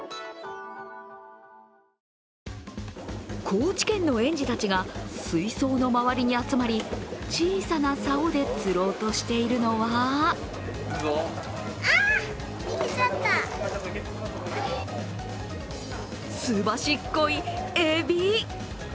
高知県の園児たちが水槽の周りに集まり小さなさおで釣ろうとしているのはすばしっこいえび。